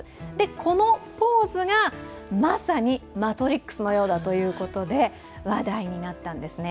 このポーズがまさに「マトリックス」のようだということで話題になったんですね。